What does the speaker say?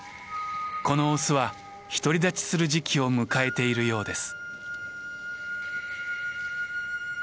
このオスは独り立ちする時期を迎えているようです。